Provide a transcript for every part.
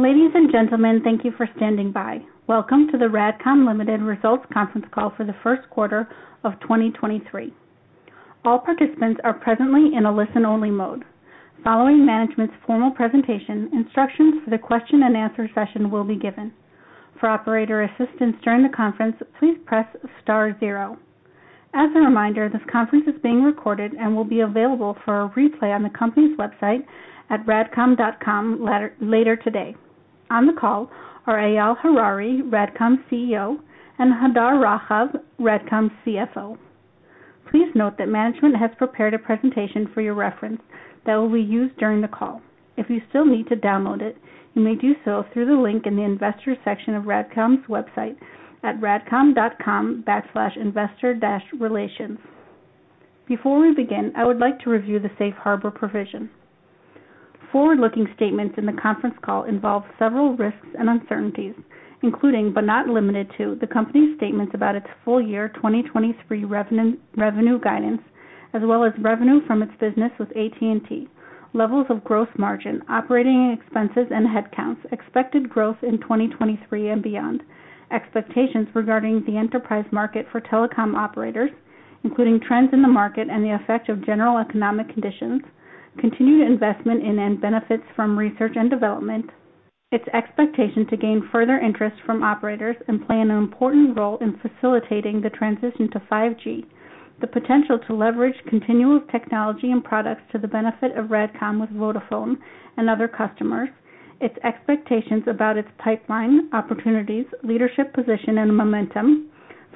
Ladies and gentlemen, thank you for standing by. Welcome to the RADCOM Ltd. Results Conference Call for the first quarter of 2023. All participants are presently in a listen-only mode. Following management's formal presentation, instructions for the question and answer session will be given. For operator assistance during the conference, please press star zero. As a reminder, this conference is being recorded and will be available for a replay on the company's website at radcom.com later today. On the call are Eyal Harari, RADCOM's CEO, and Hadar Rahav, RADCOM's CFO. Please note that management has prepared a presentation for your reference that will be used during the call. If you still need to download it, you may do so through the link in the investor section of RADCOM's website at radcom.com/investor-relations. Before we begin, I would like to review the safe harbor provision. Forward-looking statements in the conference call involve several risks and uncertainties, including but not limited to, the company's statements about its full year 2023 revenue guidance, as well as revenue from its business with AT&T, levels of gross margin, operating expenses and headcounts, expected growth in 2023 and beyond, expectations regarding the enterprise market for telecom operators, including trends in the market and the effect of general economic conditions, continued investment in and benefits from research and development, its expectation to gain further interest from operators and play an important role in facilitating the transition to 5G, the potential to leverage Continual technology and products to the benefit of RADCOM with Vodafone and other customers, its expectations about its pipeline, opportunities, leadership position and momentum,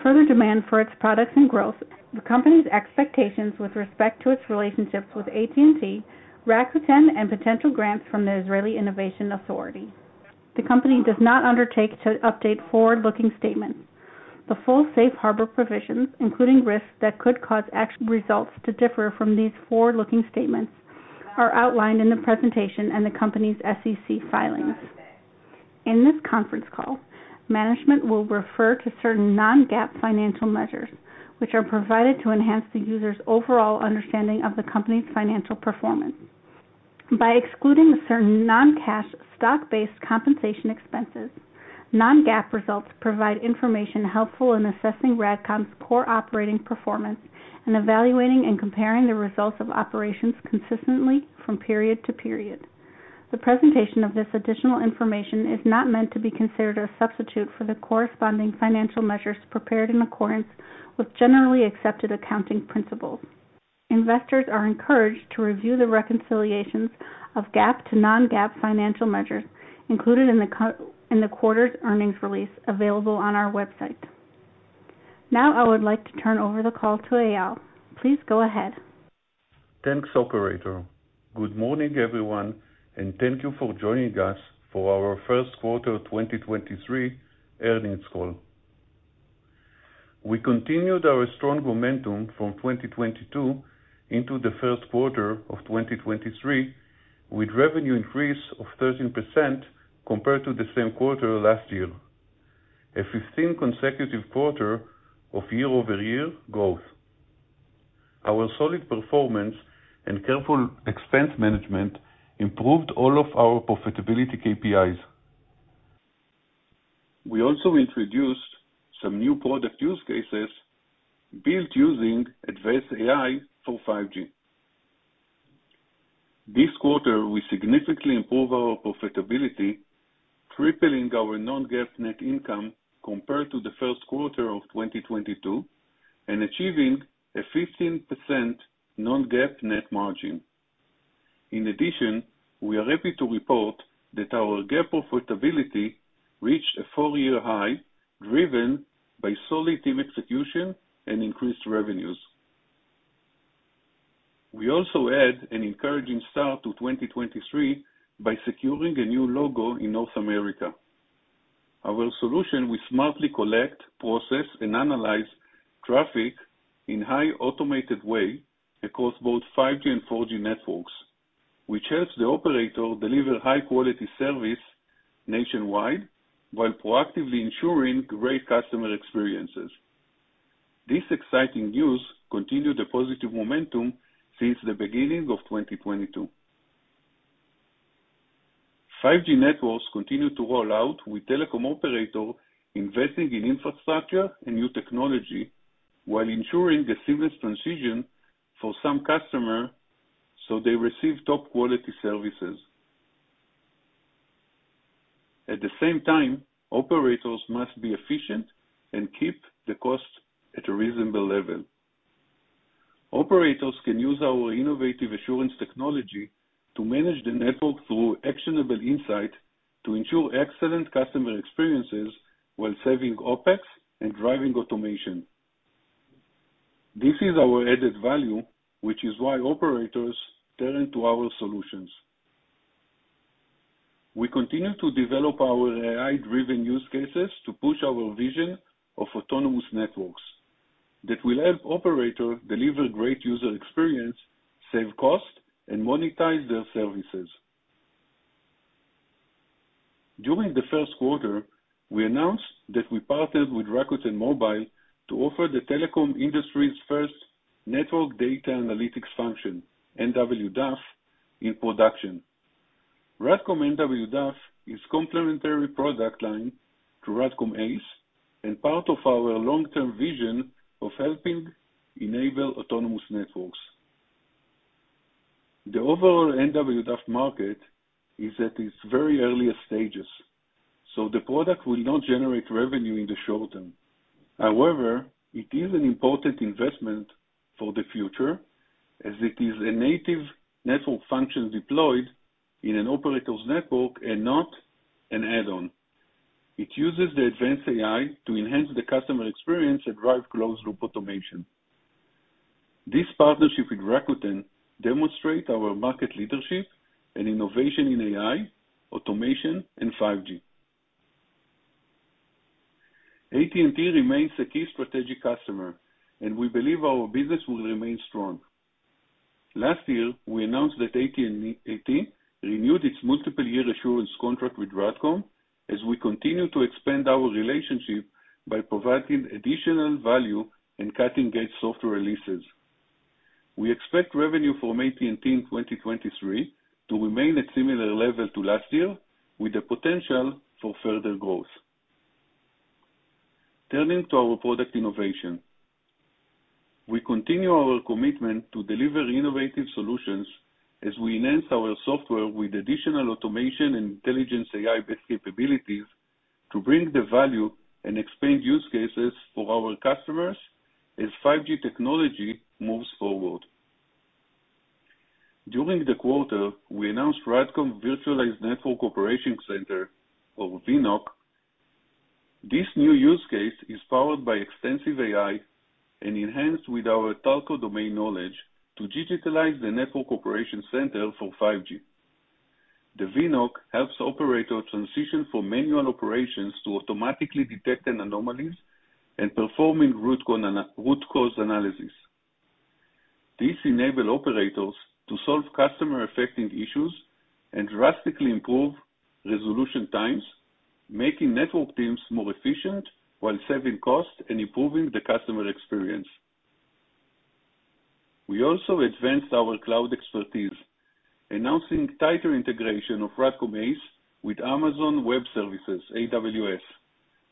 Further demand for its products and growth, the company's expectations with respect to its relationships with AT&T, Rakuten, and potential grants from the Israel Innovation Authority. The company does not undertake to update forward-looking statements. The full safe harbor provisions, including risks that could cause actual results to differ from these forward-looking statements, are outlined in the presentation and the company's SEC filings. In this conference call, management will refer to certain non-GAAP financial measures, which are provided to enhance the user's overall understanding of the company's financial performance. By excluding certain non-cash stock-based compensation expenses, non-GAAP results provide information helpful in assessing RADCOM's core operating performance and evaluating and comparing the results of operations consistently from period to period. The presentation of this additional information is not meant to be considered a substitute for the corresponding financial measures prepared in accordance with generally accepted accounting principles. Investors are encouraged to review the reconciliations of GAAP to non-GAAP financial measures included in the quarter's earnings release available on our website. Now I would like to turn over the call to Eyal. Please go ahead. Thanks, operator. Good morning, everyone. Thank you for joining us for our first quarter 2023 earnings call. We continued our strong momentum from 2022 into the first quarter of 2023, with revenue increase of 13% compared to the same quarter last year. A 15 consecutive quarter of year-over-year growth. Our solid performance and careful expense management improved all of our profitability KPIs. We also introduced some new product use cases built using advanced AI for 5G. This quarter, we significantly improve our profitability, tripling our non-GAAP net income compared to the first quarter of 2022 and achieving a 15% non-GAAP net margin. We are happy to report that our GAAP profitability reached a full-year high, driven by solid team execution and increased revenues. We also add an encouraging start to 2023 by securing a new logo in North America. Our solution will smartly collect, process, and analyze traffic in high automated way across both 5G and 4G networks, which helps the operator deliver high quality service nationwide while proactively ensuring great customer experiences. This exciting news continued the positive momentum since the beginning of 2022. 5G networks continue to roll out with telecom operator investing in infrastructure and new technology while ensuring a seamless transition for some customer, so they receive top quality services. At the same time, operators must be efficient and keep the cost at a reasonable level. Operators can use our innovative assurance technology to manage the network through actionable insight to ensure excellent customer experiences while saving OpEx and driving automation. This is our added value, which is why operators turn to our solutions. We continue to develop our AI-driven use cases to push our vision of autonomous networks that will help operator deliver great user experience, save cost, and monetize their services. During the first quarter, we announced that we partnered with Rakuten Mobile to offer the telecom industry's first Network Data Analytics Function, NWDAF, in production. RADCOM NWDAF is complementary product line to RADCOM ACE and part of our long-term vision of helping enable autonomous networks. The overall NWDAF market is at its very earliest stages, so the product will not generate revenue in the short term. However, it is an important investment for the future as it is a native network function deployed in an operator's network and not an add-on. It uses the advanced AI to enhance the customer experience and drive closed-loop automation. This partnership with Rakuten demonstrate our market leadership and innovation in AI, automation and 5G. AT&T remains a key strategic customer. We believe our business will remain strong. Last year, we announced that AT&T renewed its multiple year assurance contract with RADCOM as we continue to expand our relationship by providing additional value and cutting-edge software releases. We expect revenue from AT&T in 2023 to remain at similar level to last year, with the potential for further growth. Turning to our product innovation. We continue our commitment to deliver innovative solutions as we enhance our software with additional automation and intelligence AI-based capabilities to bring the value and expand use cases for our customers as 5G technology moves forward. During the quarter, we announced RADCOM Virtualized Network Operation Center or vNOC. This new use case is powered by extensive AI and enhanced with our telco domain knowledge to digitalize the network operation center for 5G. The vNOC helps operator transition from manual operations to automatically detect an anomalies and performing root cause analysis. This enable operators to solve customer-affecting issues and drastically improve resolution times, making network teams more efficient while saving costs and improving the customer experience. We also advanced our cloud expertise, announcing tighter integration of RADCOM ACE with Amazon Web Services, AWS,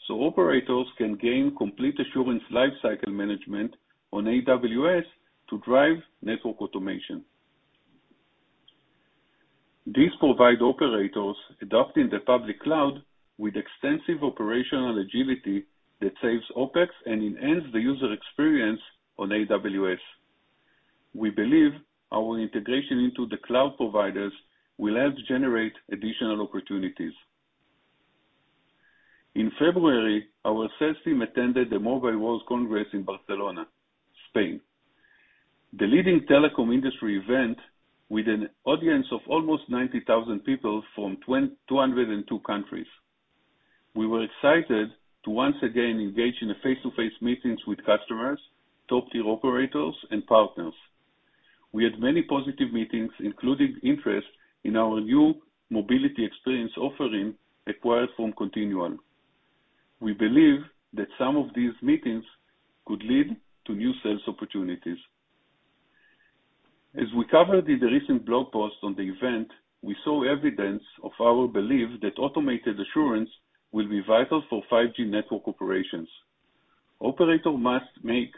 so operators can gain complete assurance lifecycle management on AWS to drive network automation. This provide operators adopting the public cloud with extensive operational agility that saves OpEx and enhance the user experience on AWS. We believe our integration into the cloud providers will help generate additional opportunities. In February, our sales team attended the Mobile World Congress in Barcelona, Spain, the leading telecom industry event with an audience of almost 90,000 people from 202 countries. We were excited to once again engage in face-to-face meetings with customers, top-tier operators and partners. We had many positive meetings, including interest in our new mobility experience offering acquired from Continual. We believe that some of these meetings could lead to new sales opportunities. As we covered in the recent blog post on the event, we saw evidence of our belief that automated assurance will be vital for 5G network operations. Operator must make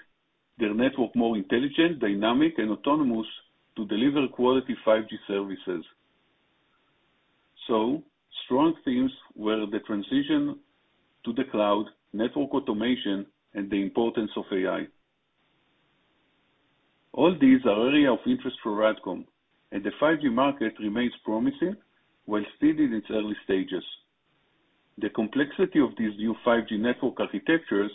their network more intelligent, dynamic and autonomous to deliver quality 5G services. Strong themes were the transition to the cloud, network automation and the importance of AI. All these are area of interest for RADCOM, and the 5G market remains promising while still in its early stages. The complexity of these new 5G network architectures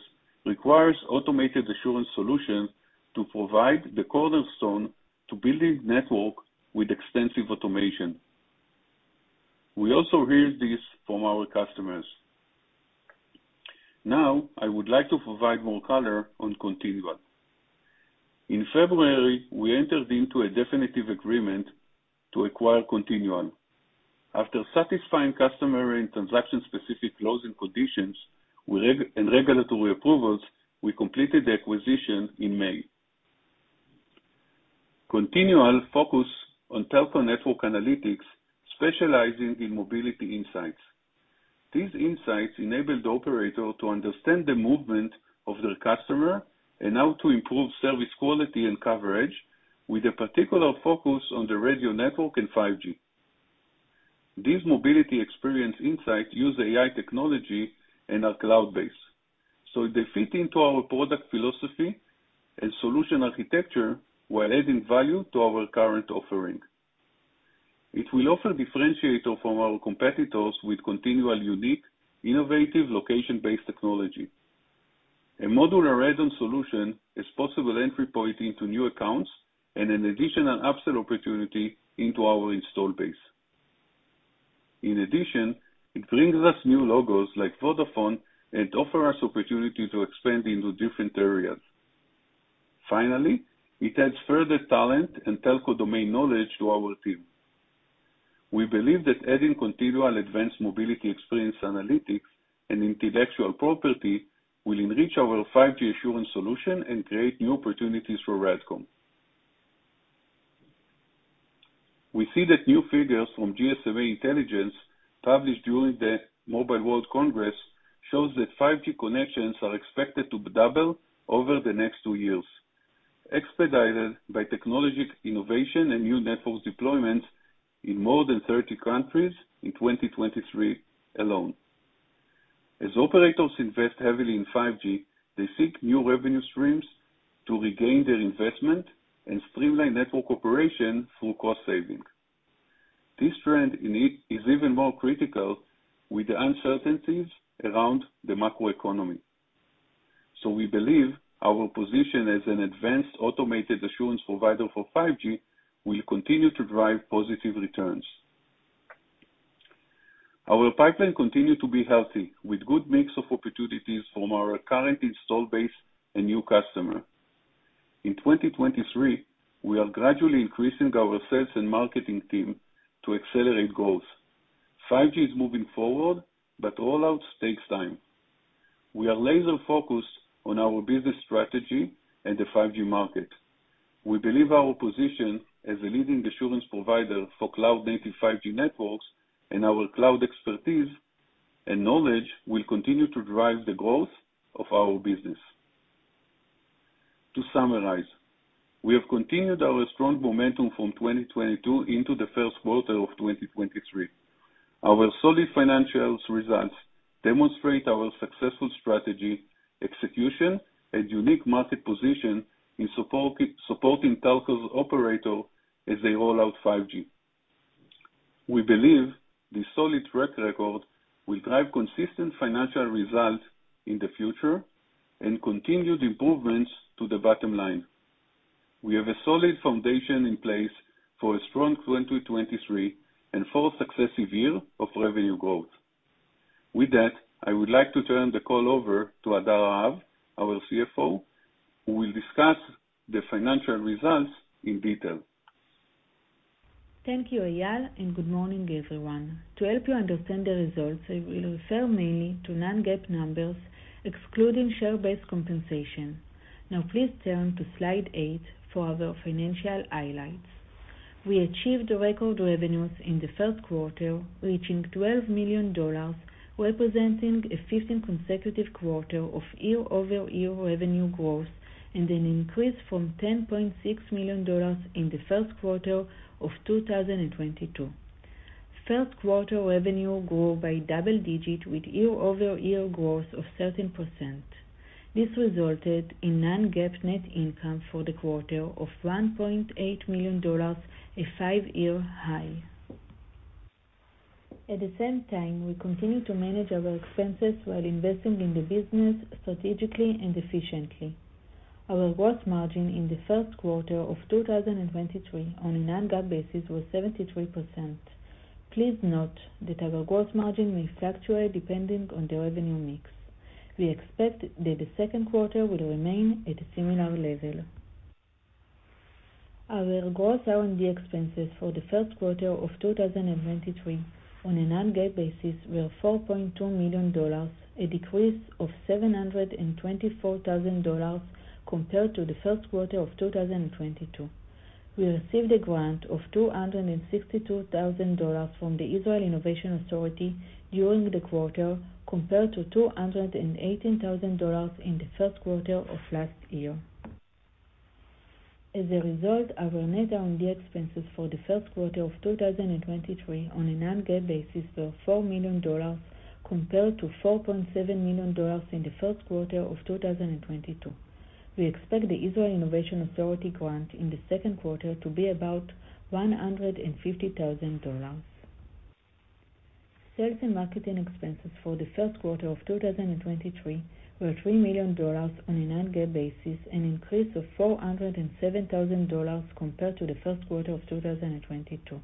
requires automated assurance solutions to provide the cornerstone to building network with extensive automation. We also hear this from our customers. I would like to provide more color on Continual. In February, we entered into a definitive agreement to acquire Continual. After satisfying customer and transaction-specific closing conditions and regulatory approvals, we completed the acquisition in May. Continual focus on telco network analytics specializing in mobility insights. These insights enable the operator to understand the movement of their customer and how to improve service quality and coverage with a particular focus on the radio network and 5G. These mobility experience insight use AI technology and are cloud-based, they fit into our product philosophy and solution architecture while adding value to our current offering. It will also differentiate us from our competitors with Continual unique, innovative, location-based technology. A modularism solution is possible entry point into new accounts and an additional upsell opportunity into our install base. In addition, it brings us new logos like Vodafone and offer us opportunity to expand into different areas. Finally, it adds further talent and telco domain knowledge to our team. We believe that adding Continual advanced mobility experience analytics and intellectual property will enrich our 5G assurance solution and create new opportunities for RADCOM. We see that new figures from GSMA Intelligence, published during the Mobile World Congress, shows that 5G connections are expected to double over the next two years, expedited by technology innovation and new networks deployments in more than 30 countries in 2023 alone. As operators invest heavily in 5G, they seek new revenue streams to regain their investment and streamline network operation through cost saving. This trend in it is even more critical with the uncertainties around the macroeconomy. We believe our position as an advanced automated assurance provider for 5G will continue to drive positive returns. Our pipeline continue to be healthy with good mix of opportunities from our current install base and new customer. In 2023, we are gradually increasing our sales and marketing team to accelerate growth. 5G is moving forward, roll out takes time. We are laser-focused on our business strategy and the 5G market. We believe our position as a leading assurance provider for cloud-native 5G networks and our cloud expertise and knowledge will continue to drive the growth of our business. To summarize, we have continued our strong momentum from 2022 into the first quarter of 2023. Our solid financials results demonstrate our successful strategy, execution, and unique market position supporting telcos operator as they roll out 5G. We believe the solid track record will drive consistent financial results in the future and continued improvements to the bottom line. We have a solid foundation in place for a strong 2023 and fourth successive year of revenue growth. I would like to turn the call over to Hadar Rahav, our CFO, who will discuss the financial results in detail. Thank you, Eyal, and good morning, everyone. To help you understand the results, I will refer mainly to non-GAAP numbers, excluding share-based compensation. Now please turn to slide eight for our financial highlights. We achieved record revenues in the first quarter, reaching $12 million, representing a 15 consecutive quarter of year-over-year revenue growth and an increase from $10.6 million in the first quarter of 2022. First quarter revenue grew by double digit with year-over-year growth of 13%. This resulted in non-GAAP net income for the quarter of $1.8 million, a five-year high. At the same time, we continue to manage our expenses while investing in the business strategically and efficiently. Our gross margin in the first quarter of 2023 on a non-GAAP basis was 73%. Please note that our gross margin may fluctuate depending on the revenue mix. We expect that the second quarter will remain at a similar level. Our gross R&D expenses for the first quarter of 2023 on a non-GAAP basis were $4.2 million, a decrease of $724,000 compared to the first quarter of 2022. We received a grant of $262,000 from the Israel Innovation Authority during the quarter, compared to $218,000 in the first quarter of last year. As a result, our net R&D expenses for the first quarter of 2023 on a non-GAAP basis were $4 million compared to $4.7 million in the first quarter of 2022. We expect the Israel Innovation Authority grant in the second quarter to be about $150,000. Sales and marketing expenses for the first quarter of 2023 were $3 million on a non-GAAP basis, an increase of $407,000 compared to the first quarter of 2022.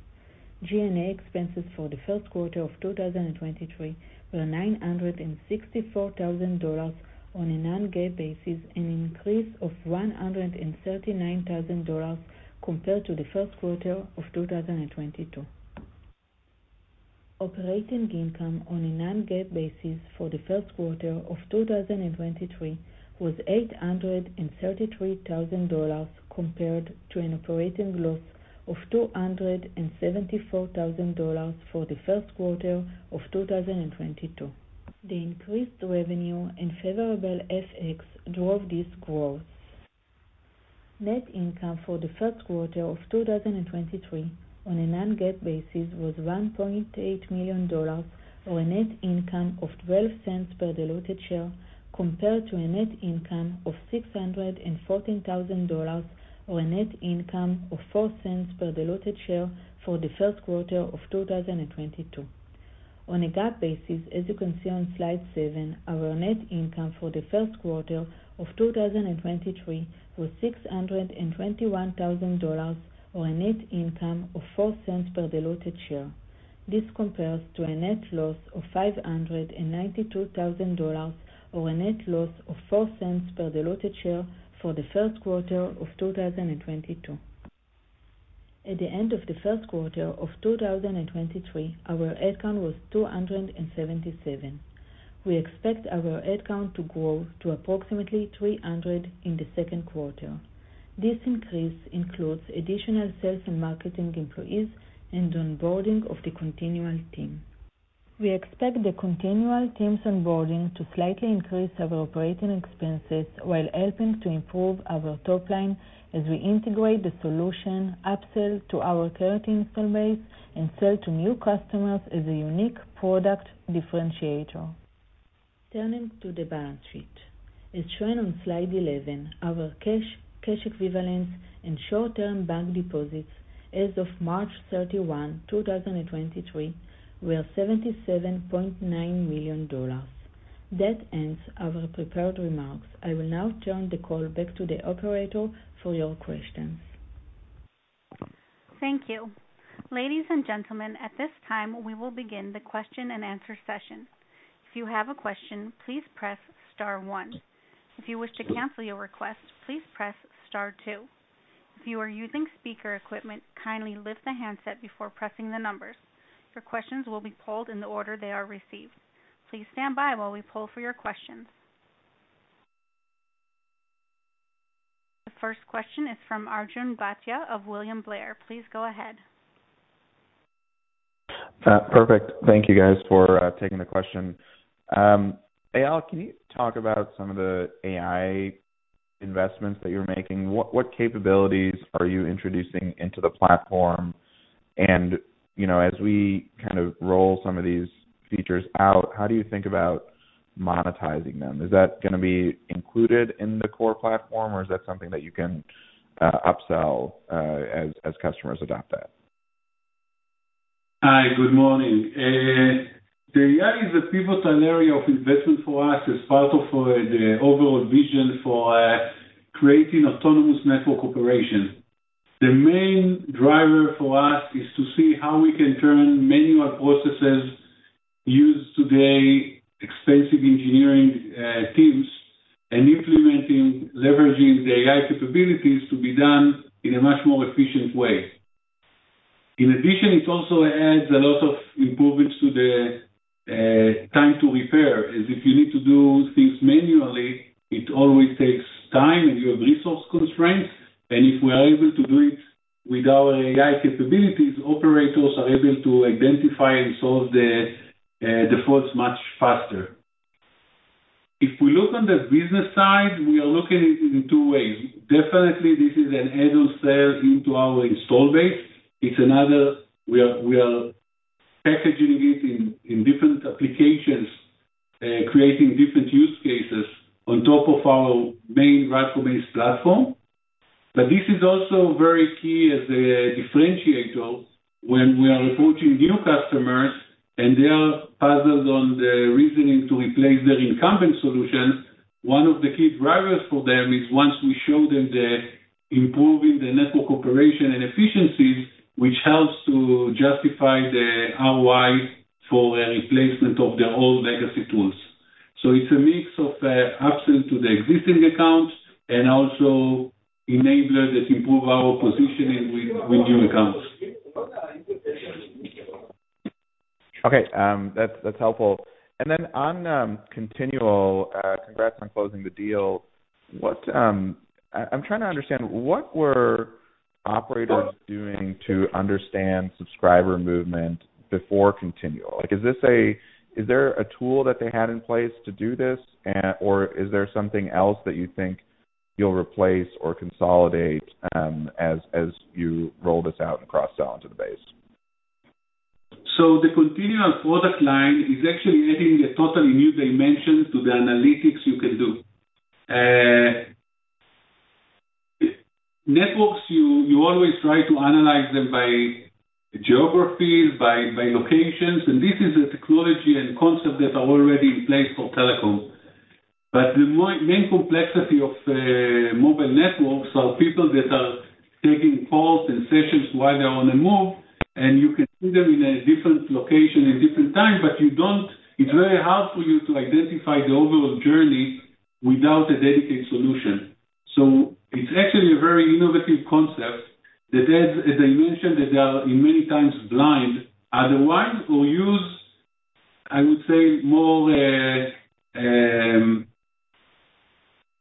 G&A expenses for the first quarter of 2023 were $964,000 on a non-GAAP basis, an increase of $139,000 compared to the first quarter of 2022. Operating income on a non-GAAP basis for the first quarter of 2023 was $833,000 compared to an operating loss of $274,000 for the first quarter of 2022. The increased revenue and favorable FX drove this growth. Net income for the first quarter of 2023 on a non-GAAP basis was $1.8 million or a net income of $0.12 per diluted share compared to a net income of $614,000 or a net income of $0.04 per diluted share for the first quarter of 2022. On a GAAP basis, as you can see on slide 7, our net income for the first quarter of 2023 was $621,000 or a net income of $0.04 per diluted share. This compares to a net loss of $592,000 or a net loss of $0.04 per diluted share for the first quarter of 2022. At the end of the first quarter of 2023, our headcount was 277. We expect our headcount to grow to approximately 300 in the second quarter. This increase includes additional sales and marketing employees and the onboarding of the Continual team. We expect the Continual teams onboarding to slightly increase our operating expenses while helping to improve our top line as we integrate the solution upsell to our current install base and sell to new customers as a unique product differentiator. Turning to the balance sheet. As shown on slide 11, our cash equivalents, and short-term bank deposits as of March 31, 2023, were $77.9 million. That ends our prepared remarks. I will now turn the call back to the operator for your questions. Thank you. Ladies and gentlemen, at this time, we will begin the question-and-answer session. If you have a question, please press star one. If you wish to cancel your request, please press star two. If you are using speaker equipment, kindly lift the handset before pressing the numbers. Your questions will be pulled in the order they are received. Please stand by while we pull for your questions. The first question is from Arjun Bhatia of William Blair. Please go ahead. Perfect. Thank you guys for taking the question. Eyal, can you talk about some of the AI investments that you're making? What, what capabilities are you introducing into the platform? You know, as we kind of roll some of these features out, how do you think about monetizing them? Is that gonna be included in the core platform, or is that something that you can upsell as customers adopt that? Hi. Good morning. The AI is a pivotal area of investment for us as part of the overall vision for creating autonomous network operation. The main driver for us is to see how we can turn manual processes used today, expensive engineering teams, and implementing, leveraging the AI capabilities to be done in a much more efficient way. In addition, it also adds a lot of improvements to the time to repair, as if you need to do things manually, it always takes time, and you have resource constraints. If we are able to do it with our AI capabilities, operators are able to identify and solve the defaults much faster. If we look on the business side, we are looking it in two ways. Definitely this is an add-on sale into our install base. It's another, we are packaging it in different applications, creating different use cases on top of our main RADCOM-based platform. This is also very key as a differentiator when we are approaching new customers, and they are puzzled on the reasoning to replace their incumbent solution. One of the key drivers for them is once we show them the improving the network operation and efficiencies, which helps to justify the ROI for a replacement of their old legacy tools. It's a mix of upsell to the existing accounts and also enablers that improve our positioning with new accounts. Okay. That's helpful. Then on Continual, congrats on closing the deal. What, I'm trying to understand what were operators doing to understand subscriber movement before Continual? Like, is this a, is there a tool that they had in place to do this, or is there something else that you think you'll replace or consolidate, as you roll this out and cross-sell into the base? The Continual product line is actually adding a totally new dimension to the analytics you can do. Networks, you always try to analyze them by geographies, by locations, and this is a technology and concept that are already in place for telecom. The main complexity of mobile networks are people that are taking calls and sessions while they're on the move, and you can see them in a different location at different times. It's very hard for you to identify the overall journey without a dedicated solution. It's actually a very innovative concept that adds, as I mentioned, that they are in many times blind. Otherwise, we use, I would say, more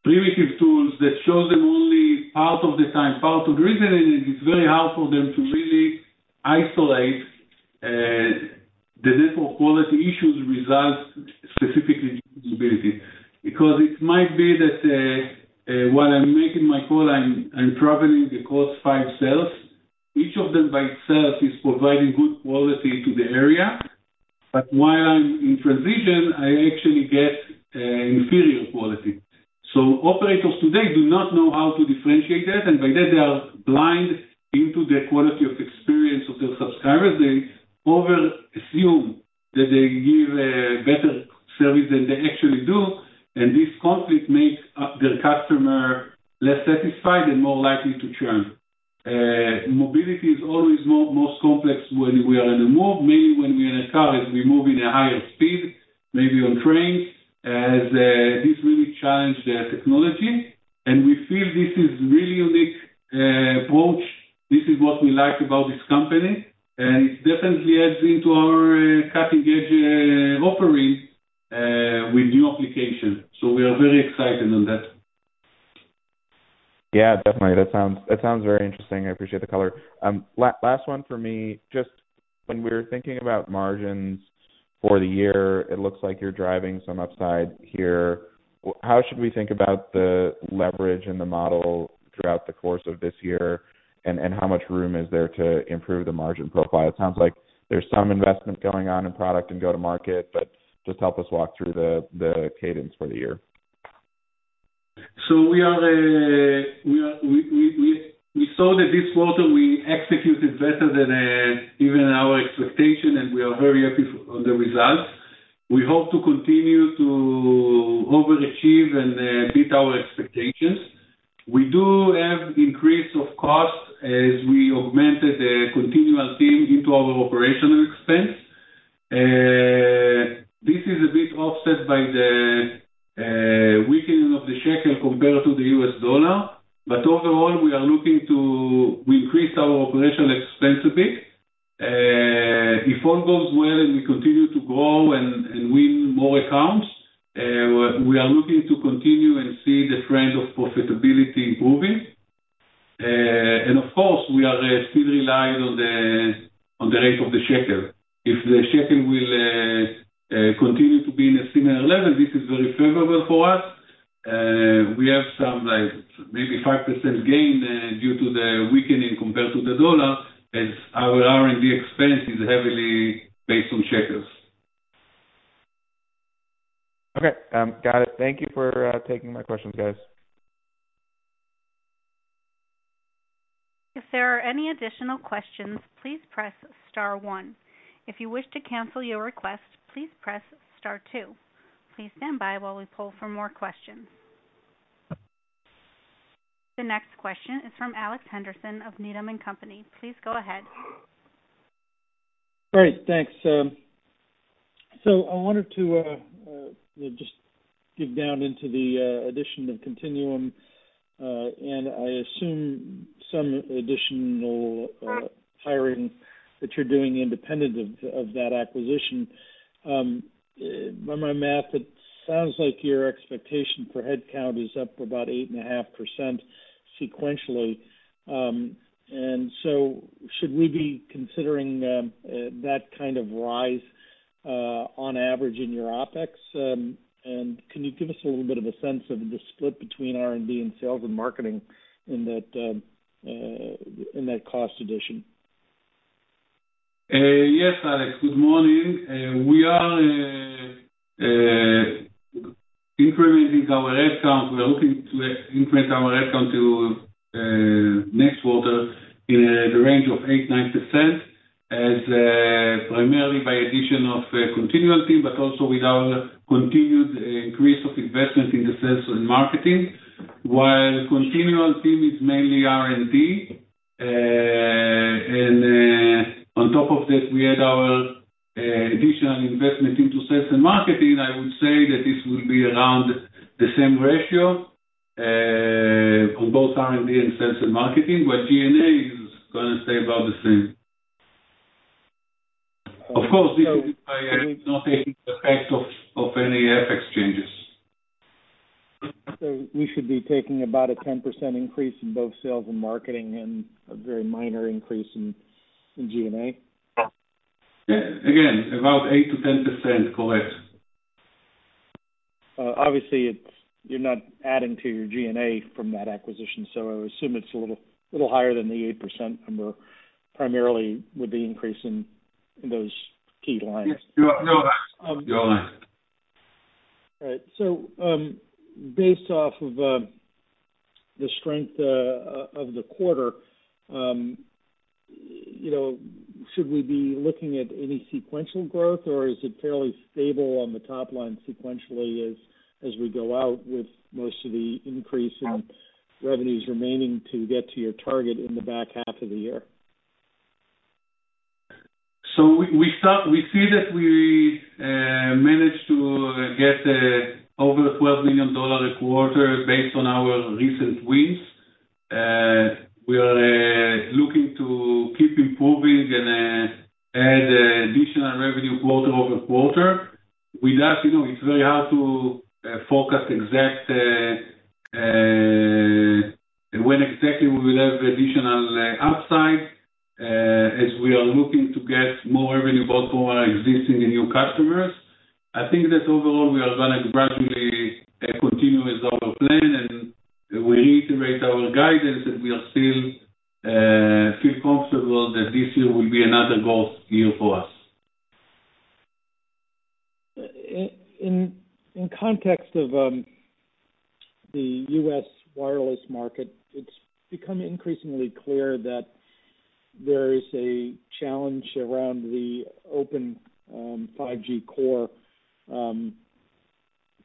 primitive tools that show them only part of the time, part of the reasoning, and it's very hard for them to really isolate the network quality issues results specifically usability. It might be that, while I'm making my call, I'm traveling across five cells. Each of them by itself is providing good quality to the area, but while I'm in transition, I actually get inferior quality. Operators today do not know how to differentiate that, and by that, they are blind into the quality of experience of their subscribers. They over assume that they give better service than they actually do. This conflict makes their customer less satisfied and more likely to churn. Mobility is always most complex when we are in the move, mainly when we are in a car, as we move in a higher speed, maybe on trains, as this really challenge the technology. We feel this is really unique approach. This is what we like about this company, and it definitely adds into our cutting-edge offering with new application. We are very excited on that. Yeah, definitely. That sounds, that sounds very interesting. I appreciate the color. Last one for me, just when we're thinking about margins for the year, it looks like you're driving some upside here. How should we think about the leverage in the model throughout the course of this year and how much room is there to improve the margin profile? It sounds like there's some investment going on in product and go to market, but just help us walk through the cadence for the year. We saw that this quarter we executed better than even our expectation, and we are very happy for the results. We hope to continue to overachieve and beat our expectations. We do have increase of cost as we augmented the Continual team into our operational expense. This is a bit offset by the weakening of the shekel compared to the U.S. dollar. Overall, we are looking to increase our operational expense a bit. If all goes well, and we continue to grow and win more accounts, we are looking to continue and see the trend of profitability improving. And of course, we are still reliant on the rate of the shekel. If the shekel will continue to be in a similar level, this is very favorable for us. We have some like maybe 5% gain due to the weakening compared to the U.S. dollar as our R&D expense is heavily based on shekels. Okay. Got it. Thank you for taking my questions, guys. If there are any additional questions, please press star one. If you wish to cancel your request, please press star two. Please stand by while we pull for more questions. The next question is from Alex Henderson of Needham & Company. Please go ahead. Great. Thanks. I wanted to just dig down into the addition of Continual, and I assume some additional hiring that you're doing independent of that acquisition. By my math, it sounds like your expectation for headcount is up about 8.5% sequentially. Should we be considering that kind of rise on average in your OpEx? Can you give us a little bit of a sense of the split between R&D and sales and marketing in that cost addition? Yes, Alex, good morning. We are increasing our headcounts. We are looking to increase our headcount to next quarter in the range of 8%-9% as primarily by addition of Continual team, but also with our continued increase of investment in the sales and marketing. While Continual team is mainly R&D, and on top of that, we had our additional investment into sales and marketing, I would say that this will be around the same ratio on both R&D and sales and marketing, but G&A is gonna stay about the same. Of course, this is by not taking effect of any FX changes. We should be taking about a 10% increase in both sales and marketing and a very minor increase in G&A? Yeah. Again, about 8%-10%. Correct. Obviously You're not adding to your G&A from that acquisition, so I would assume it's a little higher than the 8% number primarily with the increase in those key lines. Yes. You are right. You are right. All right. Based off of the strength of the quarter, you know, should we be looking at any sequential growth, or is it fairly stable on the top line sequentially as we go out with most of the increase in revenues remaining to get to your target in the back half of the year? We see that we managed to get over $12 million a quarter based on our recent wins. We are looking to keep improving and add additional revenue quarter-over-quarter. With that, you know, it's very hard to forecast exact when exactly we will have additional upside as we are looking to get more revenue both from our existing and new customers. I think that overall we are gonna gradually continue as our plan, and we reiterate our guidance that we are still feel comfortable that this year will be another growth year for us. In context of the U.S. wireless market, it's become increasingly clear that there is a challenge around the open 5G core.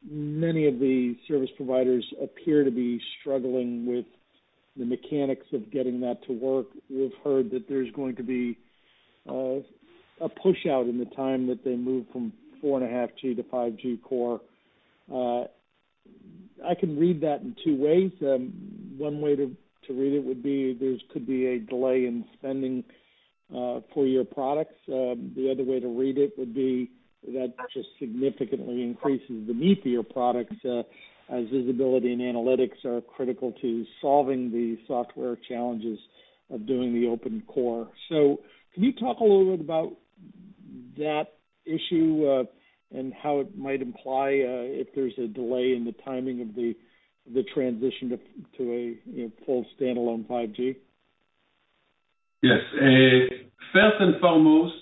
Many of the service providers appear to be struggling with the mechanics of getting that to work. We've heard that there's going to be a push-out in the time that they move from 4.5G to 5G core. I can read that in two ways. One way to read it would be there could be a delay in spending for your products. The other way to read it would be that just significantly increases the need for your products, as visibility and analytics are critical to solving the software challenges of doing the open core. Can you talk a little bit about that issue, and how it might imply, if there's a delay in the timing of the transition to a, you know, full standalone 5G? Yes. First and foremost,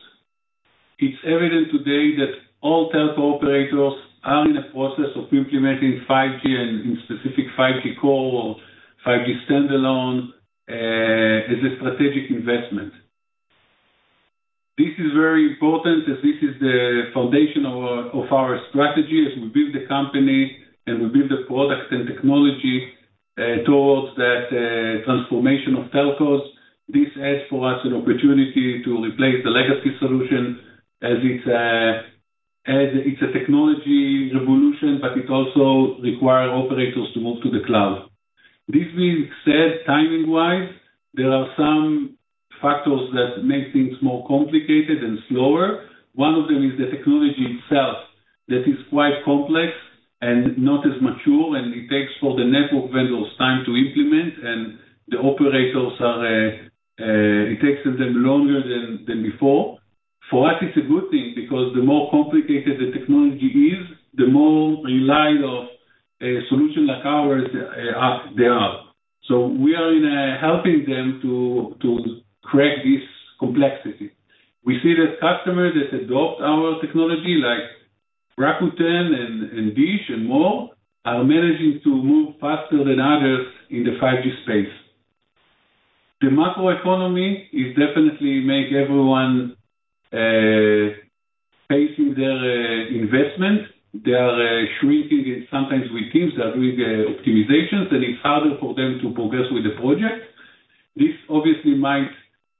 it's evident today that all telco operators are in the process of implementing 5G, and in specific 5G core or 5G standalone as a strategic investment. This is very important, as this is the foundation of our strategy as we build the company and we build the products and technology towards that transformation of telcos. This adds for us an opportunity to replace the legacy solution as it's a technology revolution, but it also require operators to move to the cloud. This being said, timing wise, there are some factors that make things more complicated and slower. One of them is the technology itself that is quite complex and not as mature, and it takes for the network vendors time to implement, and the operators are, it takes them longer than before. For us, it's a good thing, because the more complicated the technology is, the more reliant of a solution like ours, they are. We are helping them to crack this complexity. We see that customers that adopt our technology, like Rakuten and DISH and more, are managing to move faster than others in the 5G space. The macroeconomy is definitely make everyone pacing their investment. They are shrinking it sometimes with teams that do the optimizations, and it's harder for them to progress with the project. This obviously might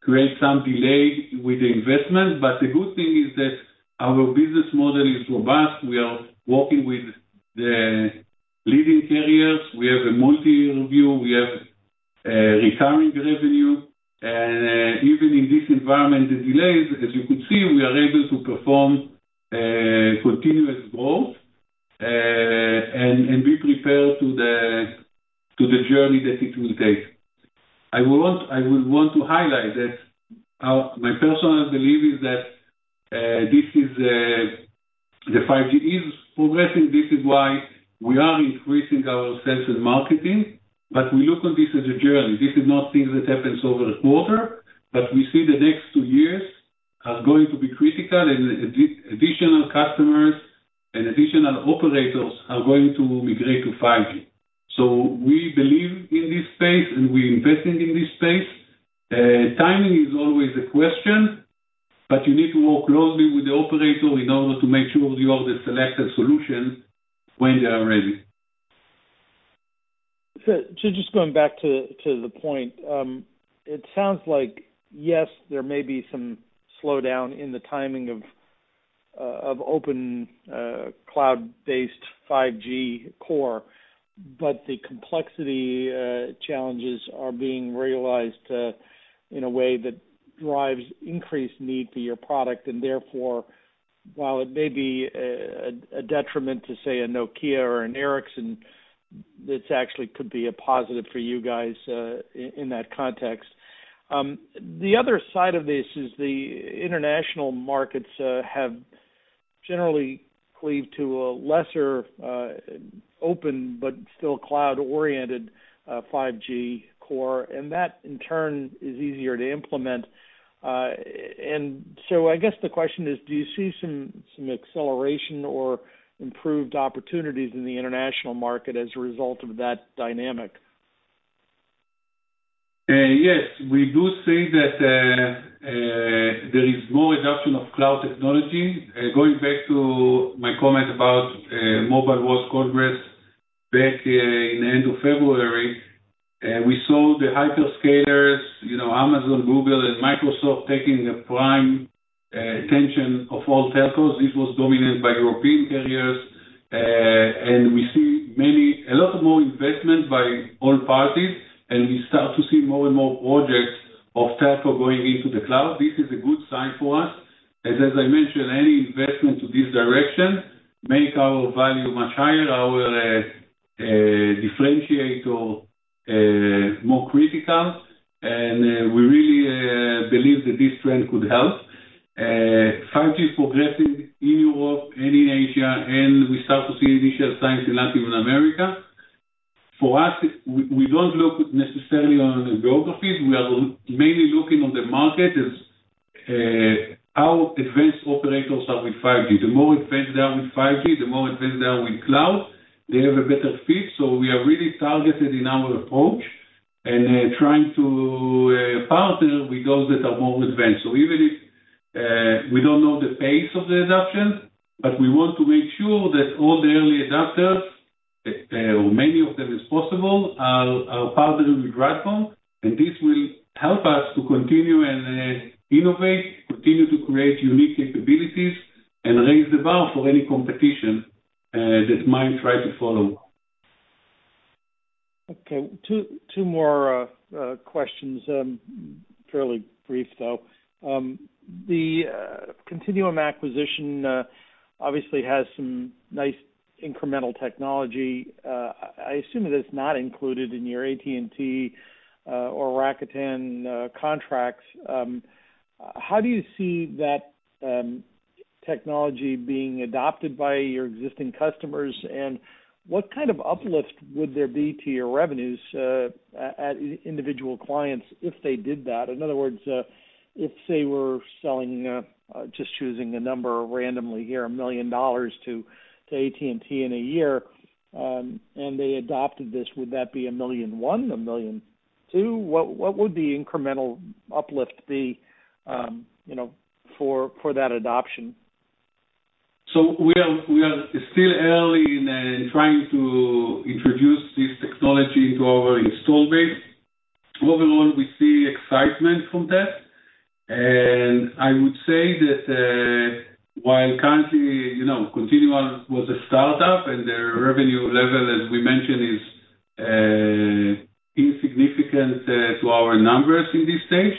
create some delay with the investment, but the good thing is that our business model is robust. We are working with the leading carriers. We have a multi view. We have recurring revenue. Even in this environment, the delays, as you could see, we are able to perform continuous growth, and be prepared to the journey that it will take. I would want to highlight that my personal belief is that this is the 5G is progressing. This is why we are increasing our sales and marketing. We look on this as a journey. This is not things that happens over a quarter, but we see the next two years as going to be critical and additional customers and additional operators are going to migrate to 5G. We believe in this space, and we're investing in this space. Timing is always a question, but you need to work closely with the operator in order to make sure you are the selected solution when they are ready. Just going back to the point. It sounds like, yes, there may be some slowdown in the timing of open cloud-based 5G core, but the complexity challenges are being realized in a way that drives increased need for your product. Therefore, while it may be a detriment to, say, a Nokia or an Ericsson, this actually could be a positive for you guys in that context. The other side of this is the international markets have generally cleaved to a lesser open but still cloud-oriented 5G core, and that in turn is easier to implement. I guess the question is, do you see some acceleration or improved opportunities in the international market as a result of that dynamic? Yes. We do see that there is more adoption of cloud technology. Going back to my comment about Mobile World Congress back in the end of February, we saw the hyperscalers, you know, Amazon, Google and Microsoft, taking the prime attention of all telcos. This was dominated by European carriers. We see a lot more investment by all parties, and we start to see more and more projects of telco going into the cloud. This is a good sign for us. As I mentioned, any investment to this direction make our value much higher, our differentiator more critical. We really believe that this trend could help. 5G is progressing in Europe and in Asia, and we start to see initial signs in Latin America. For us, we don't look necessarily on geographies. We are mainly looking on the market as our advanced operators are with 5G. The more advanced they are with 5G, the more advanced they are with cloud, they have a better fit. We are really targeted in our approach, and trying to partner with those that are more advanced. Even if we don't know the pace of the adoption, but we want to make sure that all the early adopters, or many of them as possible, are partnered with RADCOM. This will help us to continue and innovate, continue to create unique capabilities, and raise the bar for any competition that might try to follow. Okay. Two more questions, fairly brief though. The Continual acquisition obviously has some nice incremental technology. I assume that it's not included in your AT&T or Rakuten contracts. How do you see that technology being adopted by your existing customers? What kind of uplift would there be to your revenues at individual clients if they did that? In other words, if say were selling, just choosing a number randomly here, $1 million to AT&T in a year, and they adopted this, would that be $1.1 million, $1.2 million? What would the incremental uplift be, you know, for that adoption? We are still early in trying to introduce this technology into our install base. Overall, we see excitement from that. I would say that, while currently, you know, Continual was a startup, and their revenue level, as we mentioned, is insignificant to our numbers in this stage.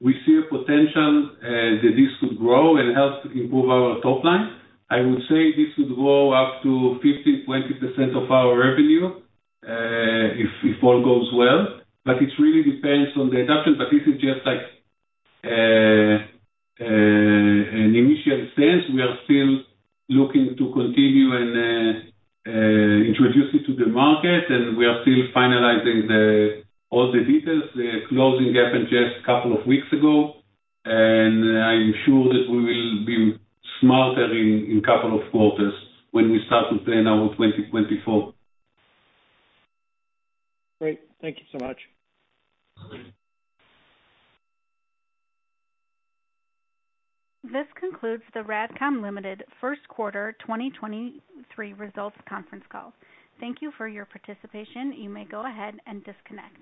We see a potential that this could grow and help to improve our top line. I would say this would grow up to 50%, 20% of our revenue, if all goes well. It really depends on the adoption. This is just like an initial sense. We are still looking to continue and introduce it to the market, and we are still finalizing all the details. The closing happened just a couple of weeks ago, and I'm sure that we will be smarter in couple of quarters when we start to plan our 2024. Great. Thank you so much. Okay. This concludes the RADCOM Ltd. first quarter 2023 results conference call. Thank you for your participation. You may go ahead and disconnect.